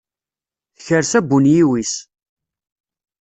Tekres abunyiw-is.